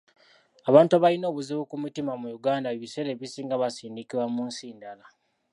Abantu abalina obuzibu ku mitima mu Uganda ebiseera ebisinga basindikibwa mu nsi ndala.